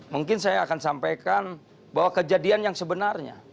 mungkin saya akan sampaikan bahwa kejadian yang sebenarnya